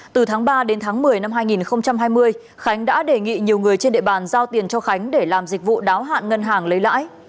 từ tháng ba đến tháng một mươi năm hai nghìn hai mươi khánh đã đề nghị nhiều người trên địa bàn giao tiền cho khánh để làm dịch vụ đáo hạn ngân hàng lấy lãi